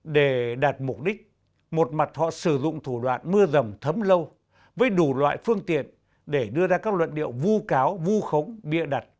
để đạt mục đích một mặt họ sử dụng thủ đoạn mưa rầm thấm lâu với đủ loại phương tiện để đưa ra các luận điệu vu cáo vu khống bịa đặt